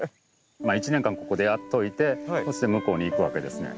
１年間ここでやっといてそして向こうに行くわけですね。